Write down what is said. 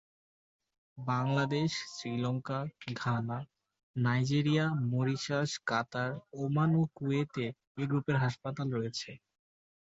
Bangladesh, Sri Lanka, Ghana, Nigeria, Mauritius, Qatar, Oman ও কুয়েতে এ গ্রুপের হাসপাতাল রয়েছে।